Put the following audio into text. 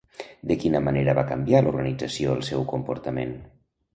De quina manera va canviar l'organització el seu comportament?